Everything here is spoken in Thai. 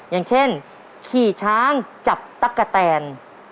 อย่างเช่นขี่ช้างจับตั๊กกะแตน